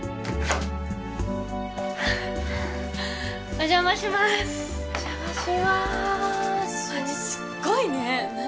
お邪魔しまーすお邪魔しまーすマジすっごいね何？